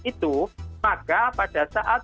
itu maka pada saat